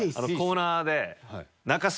コーナーで。